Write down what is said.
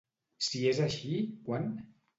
Si és així, quan?